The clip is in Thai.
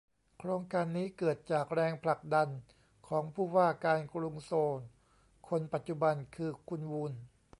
โครงการนี้เกิดจากแรงผลักดันของผู้ว่าการกรุงโซลคนปัจจุบันคือคุณวูน